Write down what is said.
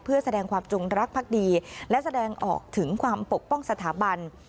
เพื่อแสดงความจงรักภักดีและแสดงออกถึงความปกป้องสถาบัน